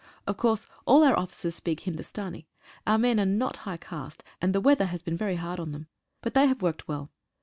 Of course all our 41 THE INDIANS. officers speak Hindustani. Our men are not high caste, and the weather has been very hard on them, but they have worked well.